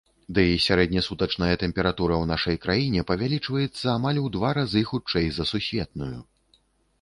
Дый сярэднясутачная тэмпература ў нашай краіне павялічваецца амаль у два разы хутчэй за сусветную.